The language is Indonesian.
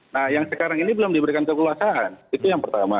nah yang sekarang ini belum diberikan kekuasaan itu yang pertama